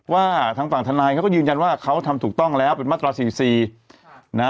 ว่าทางฝั่งทนายเขาก็ยืนยันว่าเขาทำถูกต้องแล้วเป็นมาตรา๔๔นะ